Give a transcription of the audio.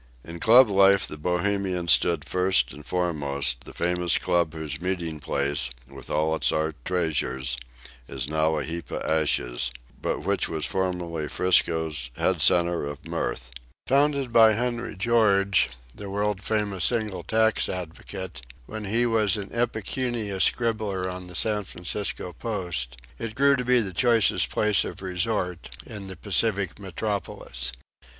In club life the Bohemian stood first and foremost, the famous club whose meeting place, with all its art treasures, is now a heap of ashes, but which was formerly 'Frisco's head centre of mirth. Founded by Henry George, the world famous single tax advocate, when he was an impecunious scribbler on the San Francisco Post, it grew to be the choicest place of resort in the Pacific metropolis.